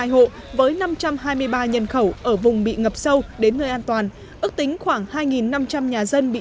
hai mươi hai hộ với năm trăm hai mươi ba nhân khẩu ở vùng bị ngập sâu đến nơi an toàn ước tính khoảng hai năm trăm linh nhà dân bị